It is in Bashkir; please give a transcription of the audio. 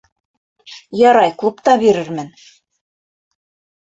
Ярай, клубта бирермен!